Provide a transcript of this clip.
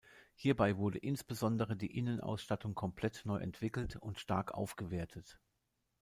Hierbei wurde insbesondere die Innenausstattung komplett neu entwickelt und stark aufgewertet.